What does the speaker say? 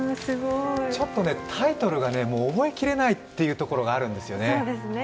ちょっとタイトルが覚えきれないっていうところがあるんですよね。